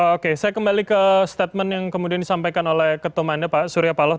oke saya kembali ke statement yang kemudian disampaikan oleh ketum anda pak surya paloh